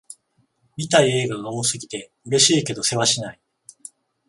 見たい映画が多すぎて、嬉しいけどせわしない